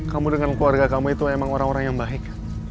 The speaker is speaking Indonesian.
kamu dengan keluarga kamu itu emang orang orang yang baik